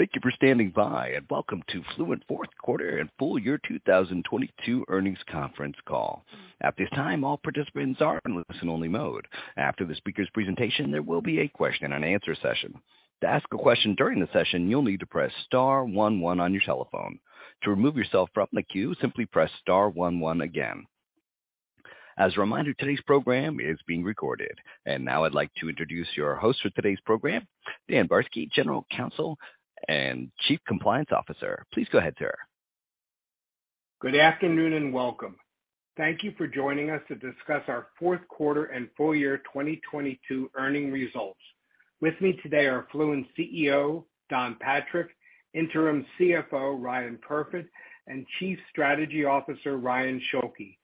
Thank you for standing by. Welcome to Fluent fourth quarter and full year 2022 earnings conference call. At this time, all participants are in listen only mode. After the speaker's presentation, there will be a question and answer session. To ask a question during the session, you'll need to press star one one on your telephone. To remove yourself from the queue, simply press star one one again. As a reminder, today's program is being recorded. Now I'd like to introduce your host for today's program, Dan Barsky, General Counsel and Chief Compliance Officer. Please go ahead, sir. Good afternoon and welcome. Thank you for joining us to discuss our fourth quarter and full year 2022 earning results. With me today are Fluent CEO, Don Patrick, Interim CFO, Ryan Perfit, and Chief Strategy Officer, Ryan Schulke.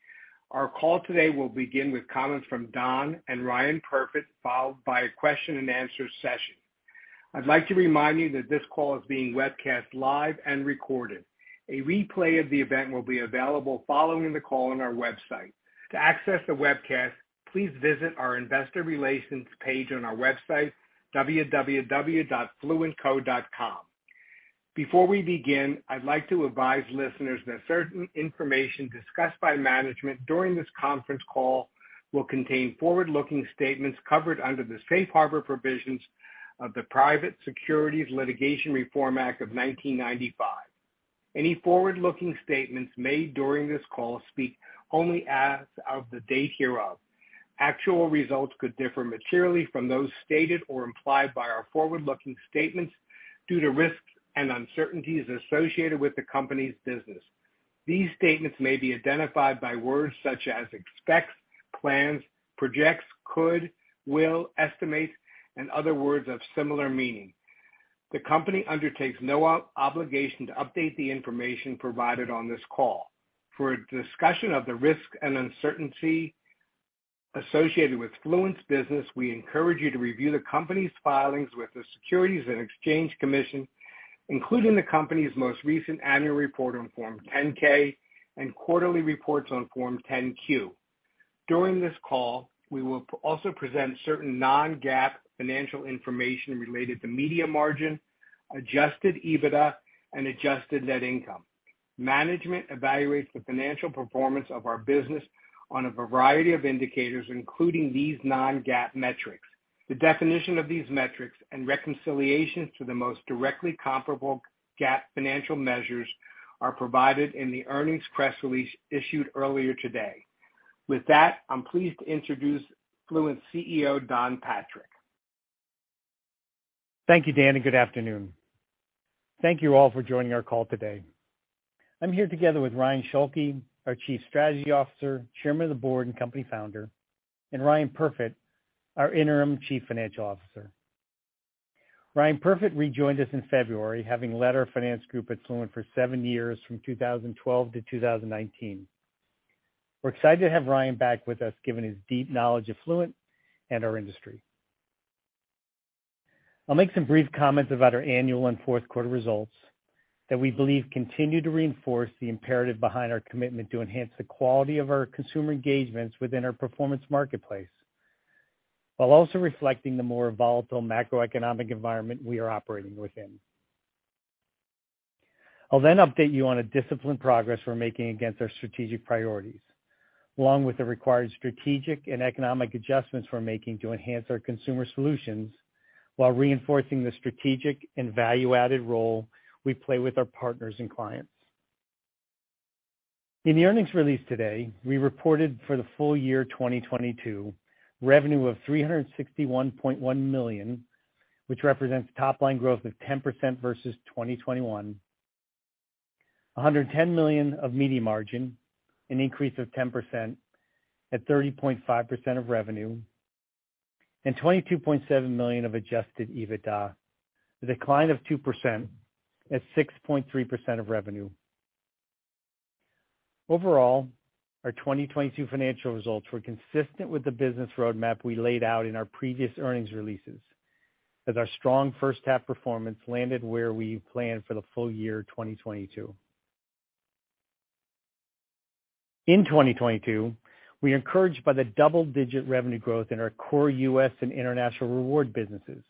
Our call today will begin with comments from Don and Ryan Perfit, followed by a question and answer session. I'd like to remind you that this call is being webcast live and recorded. A replay of the event will be available following the call on our website. To access the webcast, please visit our investor relations page on our website, www.fluentco.com. Before we begin, I'd like to advise listeners that certain information discussed by management during this conference call will contain forward-looking statements covered under the Safe Harbor provisions of the Private Securities Litigation Reform Act of 1995. Any forward-looking statements made during this call speak only as of the date hereof. Actual results could differ materially from those stated or implied by our forward-looking statements due to risks and uncertainties associated with the company's business. These statements may be identified by words such as expects, plans, projects, could, will, estimate, and other words of similar meaning. The company undertakes no obligation to update the information provided on this call. For a discussion of the risk and uncertainty associated with Fluent's business, we encourage you to review the company's filings with the Securities and Exchange Commission, including the company's most recent annual report on Form 10-K and quarterly reports on Form 10-Q. During this call, we will also present certain non-GAAP financial information related to media margin, adjusted EBITDA, and adjusted net income. Management evaluates the financial performance of our business on a variety of indicators, including these non-GAAP metrics. The definition of these metrics and reconciliations to the most directly comparable GAAP financial measures are provided in the earnings press release issued earlier today. With that, I'm pleased to introduce Fluent CEO, Don Patrick. Thank you, Dan, and good afternoon. Thank you all for joining our call today. I'm here together with Ryan Schulke, our Chief Strategy Officer, Chairman of the Board and Company Founder, and Ryan Perfit, our Interim Chief Financial Officer. Ryan Perfit rejoined us in February, having led our finance group at Fluent for seven years from 2012-2019. We're excited to have Ryan back with us, given his deep knowledge of Fluent and our industry. I'll make some brief comments about our annual and fourth quarter results that we believe continue to reinforce the imperative behind our commitment to enhance the quality of our consumer engagements within our performance marketplace, while also reflecting the more volatile macroeconomic environment we are operating within. I'll update you on a disciplined progress we're making against our strategic priorities, along with the required strategic and economic adjustments we're making to enhance our consumer solutions while reinforcing the strategic and value-added role we play with our partners and clients. In the earnings release today, we reported for the full year 2022 revenue of $361.1 million, which represents top line growth of 10% versus 2021. $110 million of media margin, an increase of 10% at 30.5% of revenue, and $22.7 million of adjusted EBITDA, a decline of 2% at 6.3% of revenue. Overall, our 2022 financial results were consistent with the business roadmap we laid out in our previous earnings releases, as our strong first half performance landed where we planned for the full year 2022. In 2022, we are encouraged by the double-digit revenue growth in our core U.S. and international reward businesses,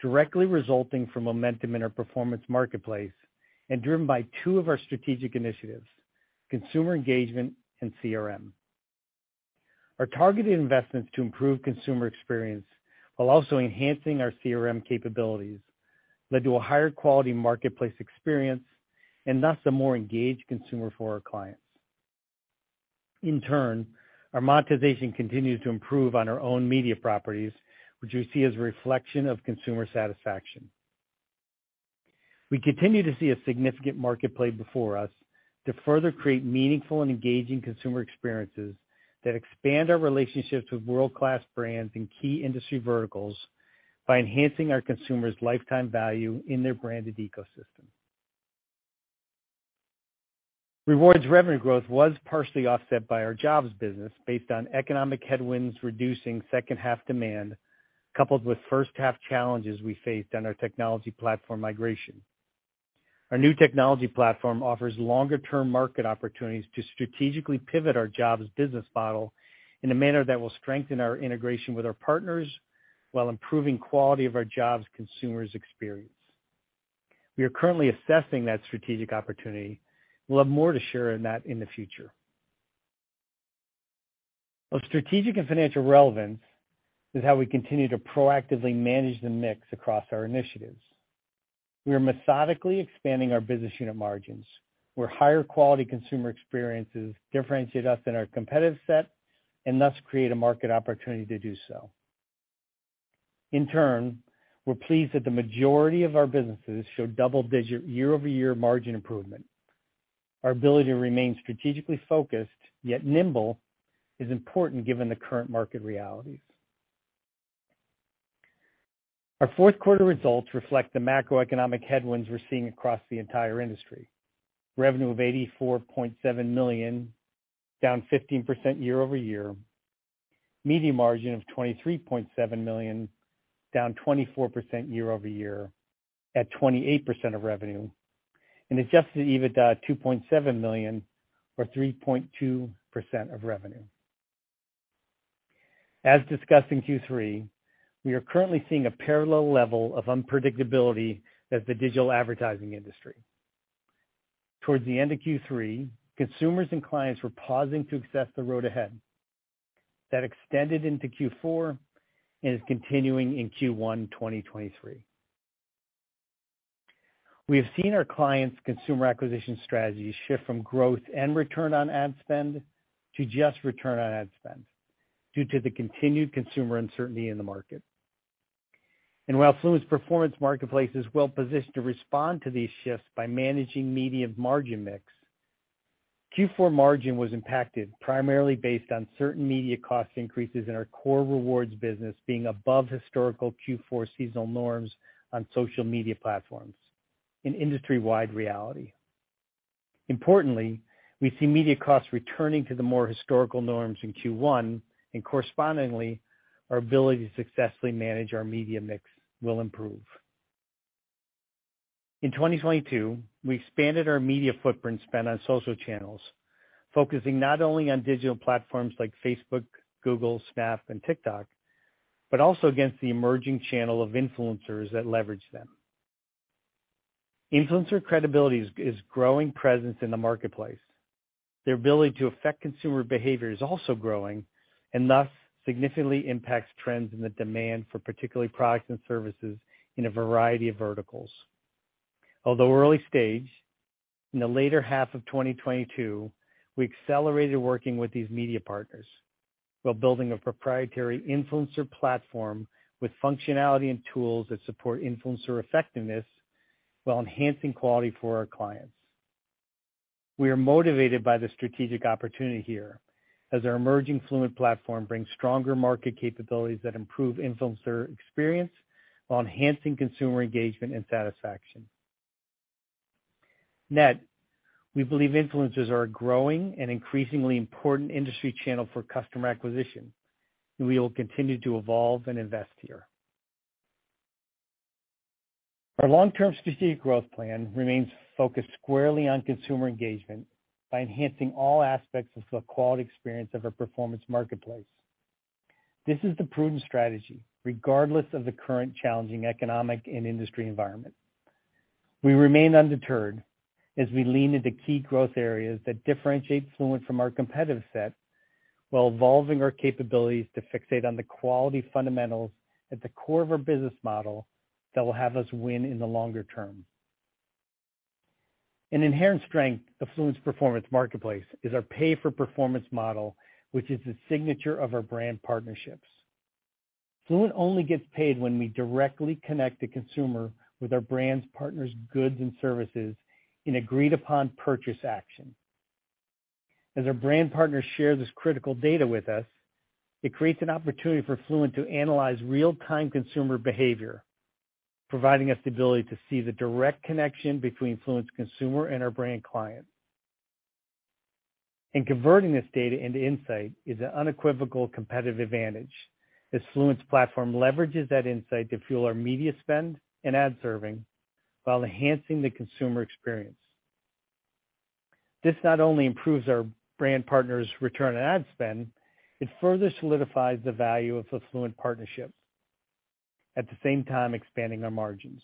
directly resulting from momentum in our performance marketplace and driven by two of our strategic initiatives, consumer engagement and CRM. Our targeted investments to improve consumer experience while also enhancing our CRM capabilities led to a higher quality marketplace experience and thus a more engaged consumer for our clients. In turn, our monetization continues to improve on our own media properties, which we see as a reflection of consumer satisfaction. We continue to see a significant marketplace before us to further create meaningful and engaging consumer experiences that expand our relationships with world-class brands in key industry verticals by enhancing our consumers' lifetime value in their branded ecosystem. Rewards revenue growth was partially offset by our jobs business based on economic headwinds reducing second half demand coupled with first half challenges we faced on our technology platform migration. Our new technology platform offers longer-term market opportunities to strategically pivot our jobs business model in a manner that will strengthen our integration with our partners while improving quality of our jobs consumers experience. We are currently assessing that strategic opportunity. We'll have more to share on that in the future. Of strategic and financial relevance is how we continue to proactively manage the mix across our initiatives. We are methodically expanding our business unit margins, where higher quality consumer experiences differentiate us in our competitive set and thus create a market opportunity to do so. We're pleased that the majority of our businesses show double-digit year-over-year margin improvement. Our ability to remain strategically focused, yet nimble, is important given the current market realities. Our fourth quarter results reflect the macroeconomic headwinds we're seeing across the entire industry. Revenue of $84.7 million, down 15% year-over-year. media margin of $23.7 million, down 24% year-over-year, at 28% of revenue. adjusted EBITDA, $2.7 million or 3.2% of revenue. As discussed in Q3, we are currently seeing a parallel level of unpredictability as the digital advertising industry. Towards the end of Q3, consumers and clients were pausing to assess the road ahead. That extended into Q4 and is continuing in Q1 2023. We have seen our clients' consumer acquisition strategies shift from growth and Return on Ad Spend to just Return on Ad Spend due to the continued consumer uncertainty in the market. While Fluent's performance marketplace is well-positioned to respond to these shifts by managing media margin mix, Q4 margin was impacted primarily based on certain media cost increases in our core rewards business being above historical Q4 seasonal norms on social media platforms, an industry-wide reality. Importantly, we see media costs returning to the more historical norms in Q1, and correspondingly, our ability to successfully manage our media mix will improve. In 2022, we expanded our media footprint spend on social channels, focusing not only on digital platforms like Facebook, Google, Snap, and TikTok, but also against the emerging channel of influencers that leverage them. Influencer credibility is growing presence in the marketplace. Their ability to affect consumer behavior is also growing and thus significantly impacts trends in the demand for particularly products and services in a variety of verticals. Although early-stage, in the later half of 2022, we accelerated working with these media partners while building a proprietary influencer platform with functionality and tools that support influencer effectiveness while enhancing quality for our clients. We are motivated by the strategic opportunity here as our emerging Fluent platform brings stronger market capabilities that improve influencer experience while enhancing consumer engagement and satisfaction. Net, we believe influencers are a growing and increasingly important industry channel for customer acquisition, and we will continue to evolve and invest here. Our long-term strategic growth plan remains focused squarely on consumer engagement by enhancing all aspects of the quality experience of our performance marketplace. This is the prudent strategy, regardless of the current challenging economic and industry environment. We remain undeterred as we lean into key growth areas that differentiate Fluent from our competitive set while evolving our capabilities to fixate on the quality fundamentals at the core of our business model that will have us win in the longer term. An inherent strength of Fluent's performance marketplace is our pay-for-performance model, which is the signature of our brand partnerships. Fluent only gets paid when we directly connect the consumer with our brand's partners' goods and services in agreed-upon purchase action. As our brand partners share this critical d ata with us, it creates an opportunity for Fluent to analyze real-time consumer behavior, providing us the ability to see the direct connection between Fluent's consumer and our brand client. Converting this data into insight is an unequivocal competitive advantage, as Fluent's platform leverages that insight to fuel our media spend and ad serving while enhancing the consumer experience. This not only improves our brand partners' Return on Ad Spend, it further solidifies the value of the Fluent partnership, at the same time expanding our margins.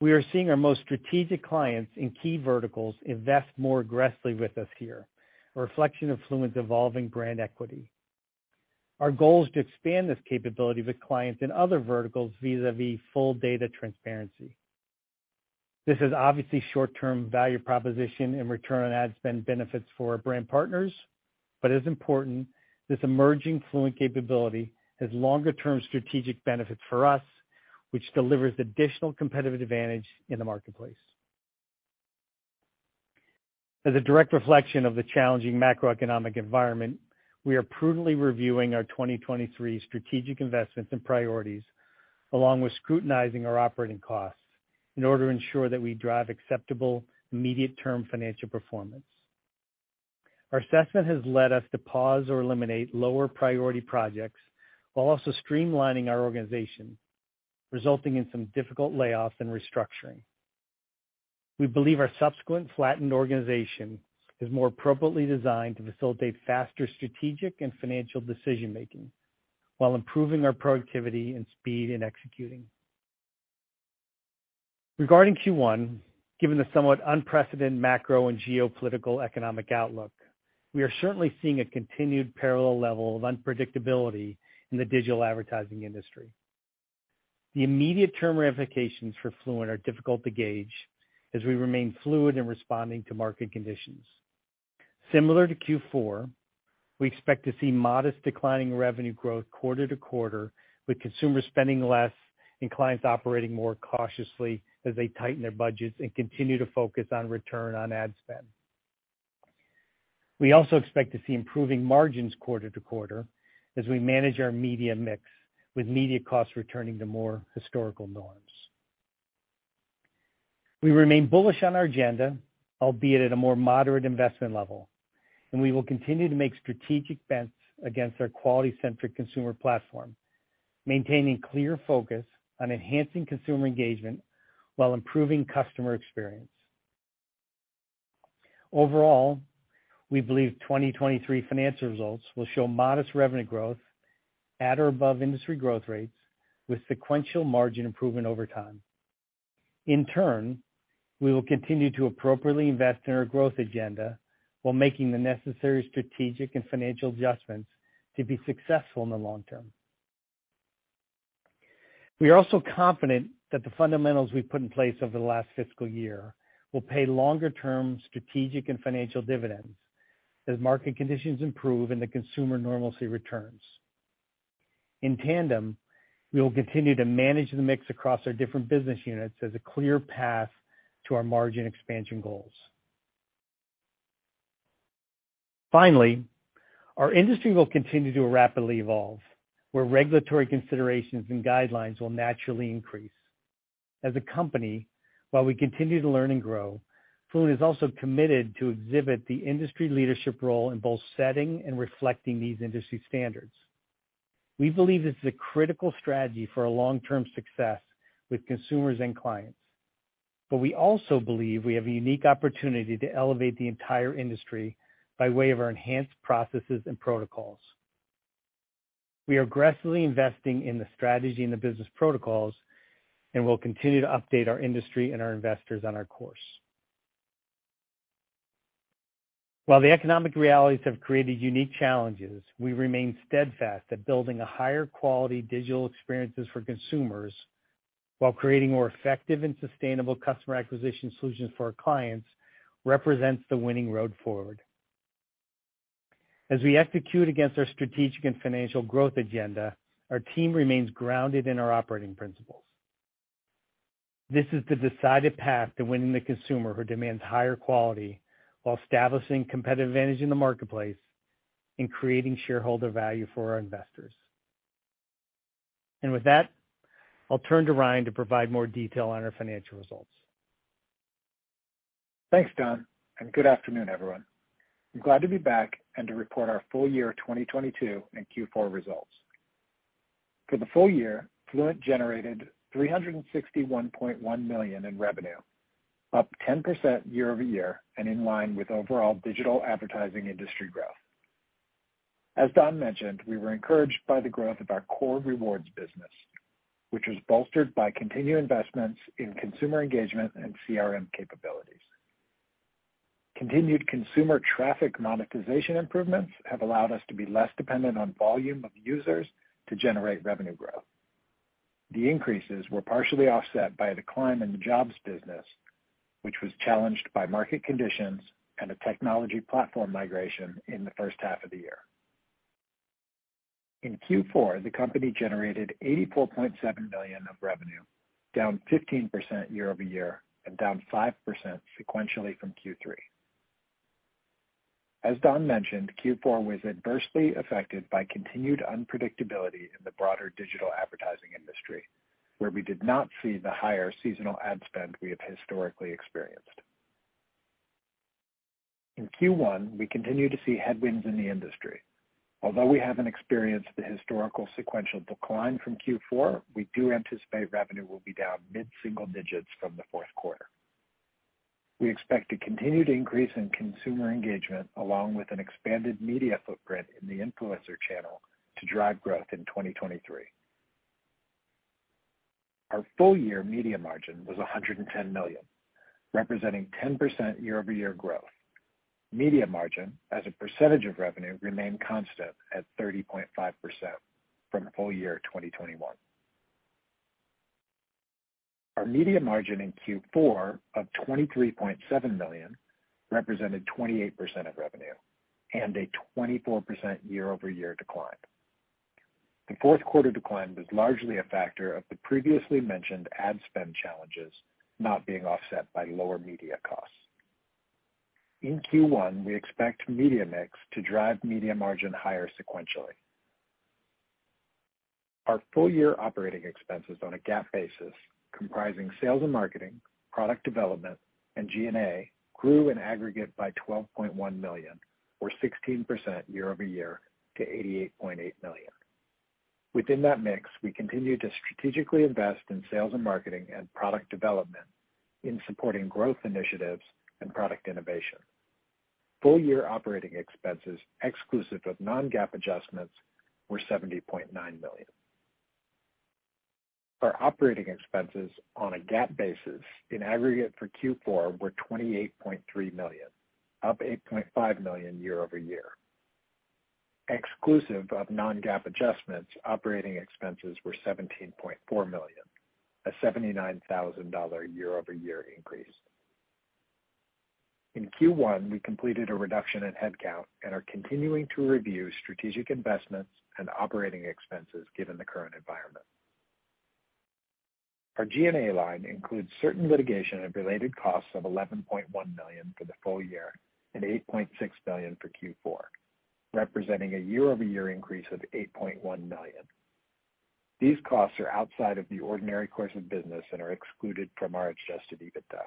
We are seeing our most strategic clients in key verticals invest more aggressively with us here, a reflection of Fluent's evolving brand equity. Our goal is to expand this capability with clients in other verticals vis-a-vis full data transparency. This is obviously short-term value proposition in Return on Ad Spend benefits for our brand partners, but as important, this emerging Fluent capability has longer-term strategic benefits for us, which delivers additional competitive advantage in the marketplace. As a direct reflection of the challenging macroeconomic environment, we are prudently reviewing our 2023 strategic investments and priorities, along with scrutinizing our operating costs in order to ensure that we drive acceptable immediate-term financial performance. Our assessment has led us to pause or eliminate lower priority projects while also streamlining our organization, resulting in some difficult layoffs and restructuring. We believe our subsequent flattened organization is more appropriately designed to facilitate faster strategic and financial decision-making while improving our productivity and speed in executing. Regarding Q1, given the somewhat unprecedented macro and geopolitical economic outlook, we are certainly seeing a continued parallel level of unpredictability in the digital advertising industry. The immediate term ramifications for Fluent are difficult to gauge as we remain fluid in responding to market conditions. Similar to Q4, we expect to see modest declining revenue growth quarter to quarter, with consumer spending less and clients operating more cautiously as they tighten their budgets and continue to focus on Return on Ad Spend. We also expect to see improving margins quarter to quarter as we manage our media mix with media costs returning to more historical norms. We will continue to make strategic bets against our quality-centric consumer platform, maintaining clear focus on enhancing consumer engagement while improving customer experience. Overall, we believe 2023 financial results will show modest revenue growth at or above industry growth rates with sequential margin improvement over time. In turn, we will continue to appropriately invest in our growth agenda while making the necessary strategic and financial adjustments to be successful in the long term. We are also confident that the fundamentals we've put in place over the last fiscal year will pay longer-term strategic and financial dividends as market conditions improve and the consumer normalcy returns. In tandem, we will continue to manage the mix across our different business units as a clear path to our margin expansion goals. Finally, our industry will continue to rapidly evolve, where regulatory considerations and guidelines will naturally increase. As a company, while we continue to learn and grow, Fluent is also committed to exhibit the industry leadership role in both setting and reflecting these industry standards. We believe this is a critical strategy for our long-term success with consumers and clients. We also believe we have a unique opportunity to elevate the entire industry by way of our enhanced processes and protocols. We are aggressively investing in the strategy and the business protocols, we'll continue to update our industry and our investors on our course. While the economic realities have created unique challenges, we remain steadfast that building a higher quality digital experiences for consumers while creating more effective and sustainable customer acquisition solutions for our clients represents the winning road forward. As we execute against our strategic and financial growth agenda, our team remains grounded in our operating principles. This is the decided path to winning the consumer who demands higher quality while establishing competitive advantage in the marketplace and creating shareholder value for our investors. With that, I'll turn to Ryan to provide more detail on our financial results. Thanks, Don, and good afternoon, everyone. I'm glad to be back and to report our full year 2022 and Q4 results. For the full year, Fluent generated $361.1 million in revenue, up 10% year-over-year and in line with overall digital advertising industry growth. As Don mentioned, we were encouraged by the growth of our core rewards business, which was bolstered by continued investments in consumer engagement and CRM capabilities. Continued consumer traffic monetization improvements have allowed us to be less dependent on volume of users to generate revenue growth. The increases were partially offset by a decline in the jobs business, which was challenged by market conditions and a technology platform migration in the first half of the year. In Q4, the company generated $84.7 million of revenue, down 15% year-over-year and down 5% sequentially from Q3. As Don mentioned, Q4 was adversely affected by continued unpredictability in the broader digital advertising industry, where we did not see the higher seasonal ad spend we have historically experienced. In Q1, we continue to see headwinds in the industry. Although we haven't experienced the historical sequential decline from Q4, we do anticipate revenue will be down mid-single digits from the fourth quarter. We expect a continued increase in consumer engagement along with an expanded media footprint in the influencer channel to drive growth in 2023. Our full-year media margin was $110 million, representing 10% year-over-year growth. Media margin as a percentage of revenue remained constant at 30.5% from full year 2021. Our media margin in Q4 of $23.7 million represented 28% of revenue and a 24% year-over-year decline. The fourth quarter decline was largely a factor of the previously mentioned ad spend challenges not being offset by lower media costs. In Q1, we expect media mix to drive media margin higher sequentially. Our full year operating expenses on a GAAP basis, comprising sales and marketing, product development, and G&A grew in aggregate by $12.1 million or 16% year-over-year to $88.8 million. Within that mix, we continue to strategically invest in sales and marketing and product development in supporting growth initiatives and product innovation. Full year operating expenses exclusive of non-GAAP adjustments were $70.9 million. Our operating expenses on a GAAP basis in aggregate for Q4 were $28.3 million, up $8.5 million year-over-year. Exclusive of non-GAAP adjustments, operating expenses were $17.4 million, a $79,000 year-over-year increase. In Q1, we completed a reduction in headcount and are continuing to review strategic investments and operating expenses given the current environment. Our G&A line includes certain litigation and related costs of $11.1 million for the full year and $8.6 million for Q4, representing a year-over-year increase of $8.1 million. These costs are outside of the ordinary course of business and are excluded from our adjusted EBITDA.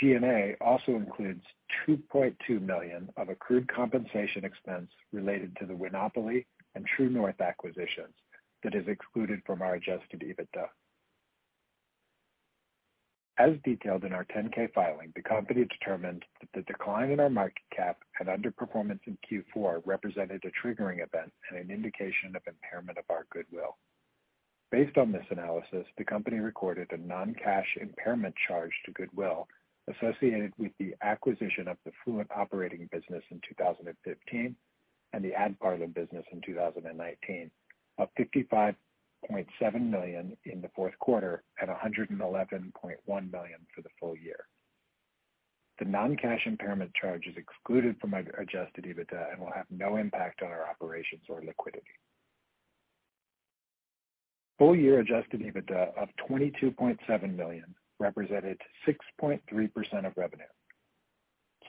G&A also includes $2.2 million of accrued compensation expense related to the Winopoly and TrueNorth acquisitions that is excluded from our adjusted EBITDA. As detailed in our 10-K filing, the company determined that the decline in our market cap and underperformance in Q4 represented a triggering event and an indication of impairment of our goodwill. Based on this analysis, the company recorded a non-cash impairment charge to goodwill associated with the acquisition of the Fluent operating business in 2015 and the AdParlor business in 2019, of $55.7 million in the fourth quarter and $111.1 million for the full year. The non-cash impairment charge is excluded from our adjusted EBITDA and will have no impact on our operations or liquidity. Full year adjusted EBITDA of $22.7 million represented 6.3% of revenue.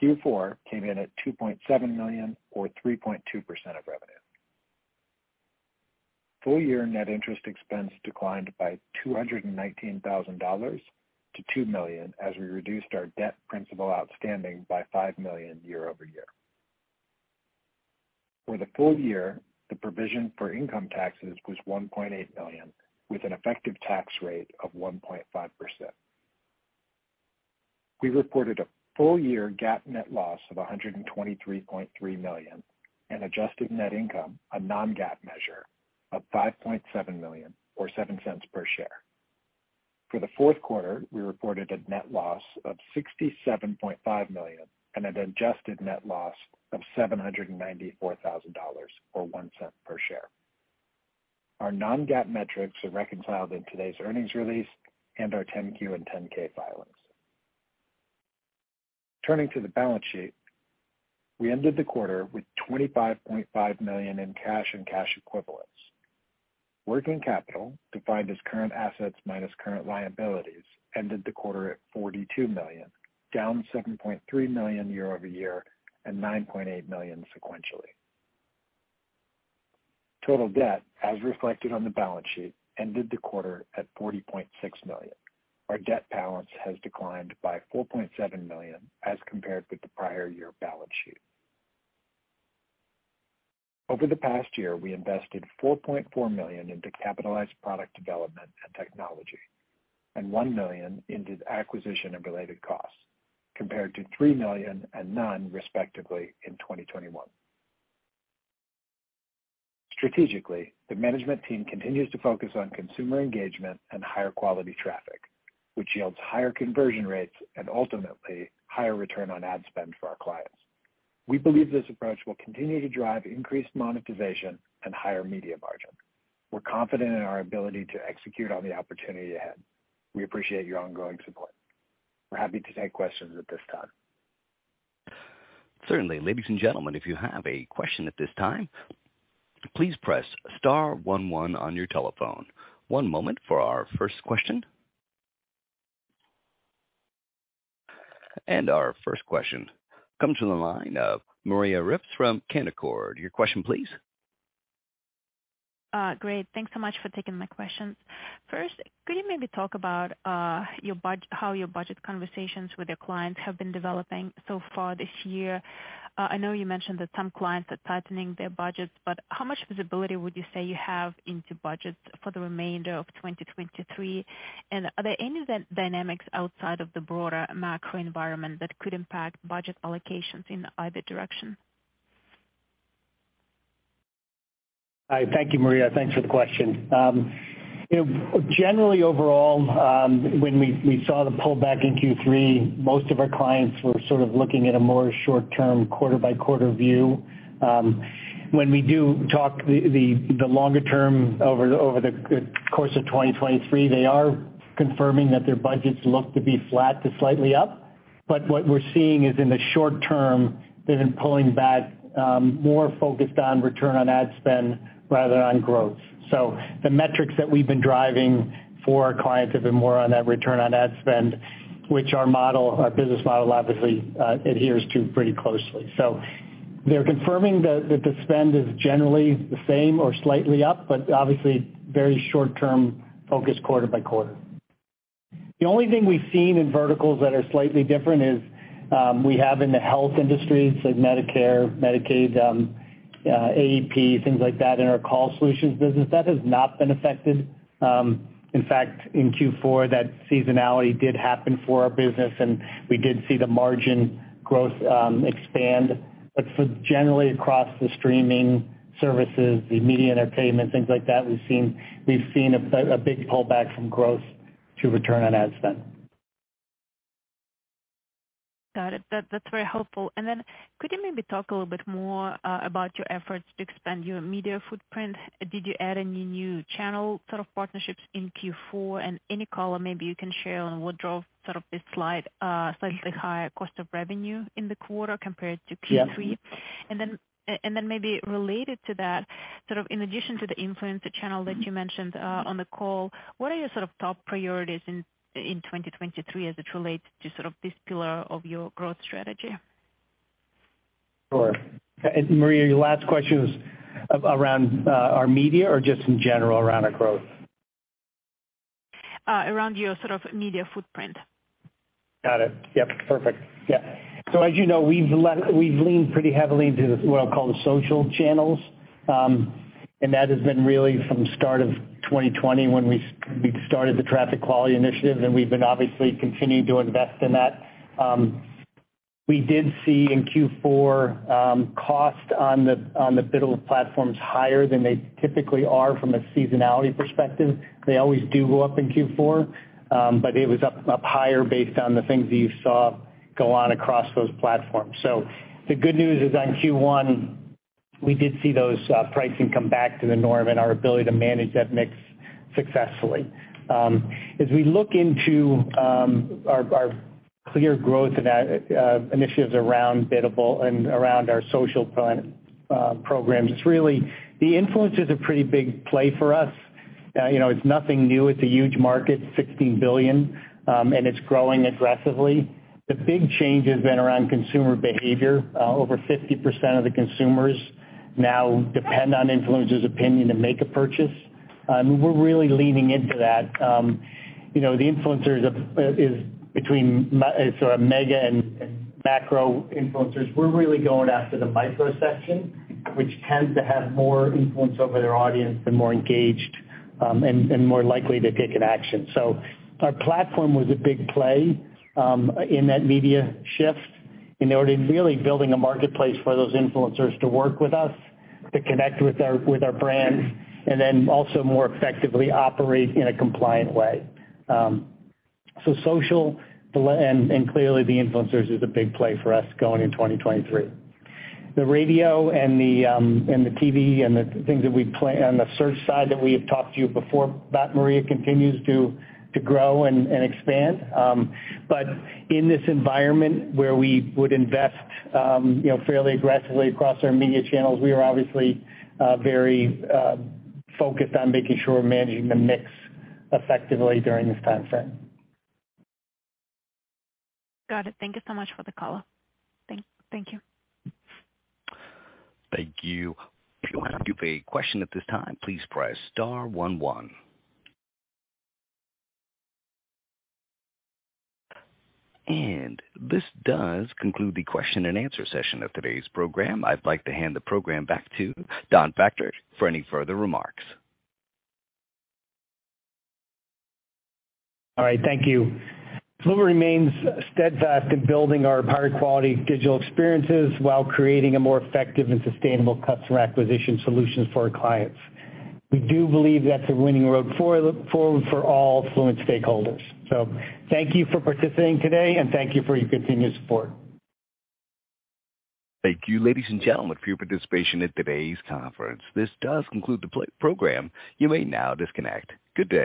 Q4 came in at $2.7 million or 3.2% of revenue. Full year net interest expense declined by $219,000 to $2 million as we reduced our debt principal outstanding by $5 million year-over-year. For the full year, the provision for income taxes was $1.8 million, with an effective tax rate of 1.5%. We reported a full year GAAP net loss of $123.3 million and adjusted net income, a non-GAAP measure of $5.7 million or $0.07 per share. For the fourth quarter, we reported a net loss of $67.5 million and an adjusted net loss of $794,000 or $0.01 per share. Our non-GAAP metrics are reconciled in today's earnings release and our 10-Q and 10-K filings. Turning to the balance sheet, we ended the quarter with $25.5 million in cash and cash equivalents. Working capital, defined as current assets minus current liabilities, ended the quarter at $42 million, down $7.3 million year-over-year and $9.8 million sequentially. Total debt, as reflected on the balance sheet, ended the quarter at $40.6 million. Our debt balance has declined by $4.7 million as compared with the prior year balance sheet. Over the past year, we invested $4.4 million into capitalized product development and technology, and $1 million into acquisition and related costs, compared to $3 million and none, respectively, in 2021. Strategically, the management team continues to focus on consumer engagement and higher quality traffic, which yields higher conversion rates and ultimately higher Return on Ad Spend for our clients. We believe this approach will continue to drive increased monetization and higher media margin. We're confident in our ability to execute on the opportunity ahead. We appreciate your ongoing support. We're happy to take questions at this time. Certainly. Ladies and gentlemen, if you have a question at this time, please press star one one on your telephone. One moment for our first question. Our first question comes from the line of Maria Ripps from Canaccord. Your question, please. Great. Thanks so much for taking my questions. First, could you maybe talk about how your budget conversations with your clients have been developing so far this year? I know you mentioned that some clients are tightening their budgets, but how much visibility would you say you have into budgets for the remainder of 2023? Are there any dynamics outside of the broader macro environment that could impact budget allocations in either direction? Hi. Thank you, Maria. Thanks for the question. you know, generally overall, when we saw the pullback in Q3, most of our clients were sort of looking at a more short term quarter by quarter view. When we do talk the longer term over the course of 2023, they are confirming that their budgets look to be flat to slightly up. What we're seeing is in the short term, they've been pulling back, more focused on Return on Ad Spend rather on growth. The metrics that we've been driving for our clients have been more on that Return on Ad Spend, which our model, our business model obviously, adheres to pretty closely. They're confirming that the spend is generally the same or slightly up, but obviously very short term focused quarter by quarter. The only thing we've seen in verticals that are slightly different is, we have in the health industry, so Medicare, Medicaid, AEP, things like that in our call solutions business, that has not been affected. In fact, in Q4, that seasonality did happen for our business, and we did see the margin growth expand. For generally across the streaming services, the media entertainment, things like that, we've seen a big pullback from growth to Return on Ad Spend. Got it. That's very helpful. Then could you maybe talk a little bit more about your efforts to expand your media footprint? Did you add any new channel sort of partnerships in Q4? Any color maybe you can share on what drove sort of this slide, slightly higher cost of revenue in the quarter compared to Q3? Yes. Maybe related to that, sort of in addition to the influencer channel that you mentioned on the call, what are your sort of top priorities in 2023 as it relates to sort of this pillar of your growth strategy? Sure. Maria, your last question was around our media or just in general around our growth? Around your sort of media footprint. Got it. Yep, perfect. Yeah. As you know, we've leaned pretty heavily to what I'll call the social channels. That has been really from the start of 2020 when we started the traffic quality initiative, and we've been obviously continuing to invest in that. We did see in Q4, cost on the biddable platforms higher than they typically are from a seasonality perspective. They always do go up in Q4, it was up higher based on the things that you saw go on across those platforms. The good news is, on Q1, we did see those pricing come back to the norm and our ability to manage that mix successfully. As we look into our clear growth in that initiatives around biddable and around our social plan programs, it's really the influencer is a pretty big play for us. You know, it's nothing new. It's a huge market, $16 billion, and it's growing aggressively. The big change has been around consumer behavior. Over 50% of the consumers now depend on influencers opinion to make a purchase. We're really leaning into that. You know, the influencers is between so our mega and macro influencers. We're really going after the micro section, which tends to have more influence over their audience and more engaged and more likely to take an action. Our platform was a big play in that media shift in order to really building a marketplace for those influencers to work with us, to connect with our, with our brands, and then also more effectively operate in a compliant way. Social and clearly the influencers is a big play for us going in 2023. The radio and the TV and the things that we play on the search side that we have talked to you before about, Maria, continues to grow and expand. In this environment where we would invest, you know, fairly aggressively across our media channels, we are obviously very focused on making sure we're managing the mix effectively during this time frame. Got it. Thank you so much for the color. Thank you. Thank you. If you want to ask you a question at this time, please press star one one. This does conclude the question and answer session of today's program. I'd like to hand the program back to Don Patrick for any further remarks. All right. Thank you. Fluent remains steadfast in building our higher quality digital experiences while creating a more effective and sustainable customer acquisition solutions for our clients. We do believe that's a winning road forward for all Fluent stakeholders. Thank you for participating today, and thank you for your continued support. Thank you, ladies and gentlemen, for your participation in today's conference. This does conclude the program. You may now disconnect. Good day.